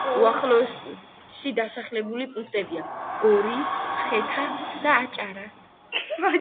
უახლოესი დასახლებული პუნქტებია: მაგალითი, მაგალითი, მაგალითი.